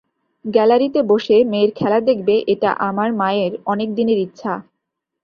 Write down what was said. গ্যালারিতে বসে মেয়ের খেলা দেখবে, এটা আমার মায়ের অনেক দিনের ইচ্ছা।